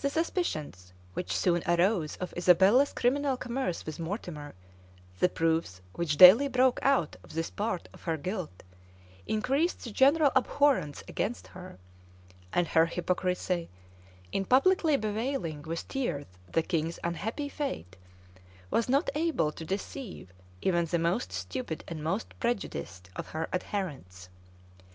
The suspicions which soon arose of Isabella's criminal commerce with Mortimer, the proofs which daily broke out of this part of her guilt, increased the general abhorrence against her; and her hypocrisy, in publicly bewailing with tears the king's unhappy fate,[*] was not able to deceive even the most stupid and most prejudiced of her adherents.